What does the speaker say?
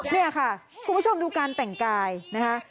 นี่ค่ะคุณผู้ชมดูการแต่งกายนะคะ